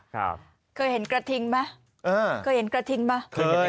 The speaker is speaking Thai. ค่ะครับเคยเห็นกระทิงไหมอ่าเคยเห็นกระทิงไหมเคย